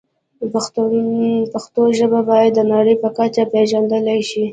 پښتو ژبه باید د نړۍ په کچه پېژندل شي.